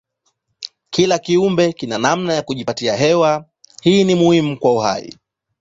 Kila kiumbe kina namna ya kujipatia hewa hii muhimu kwa uhai.